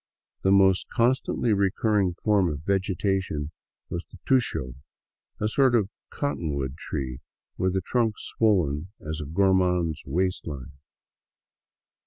The most constantly recurring form of vegetation was the tusho, a sort of cottonwood tree with a trunk swollen as a gormand's waist line.